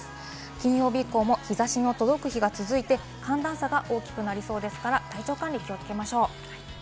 金曜日以降も日差しの届く日が続いて寒暖差が大きくなりそうですから体調管理、気をつけましょう。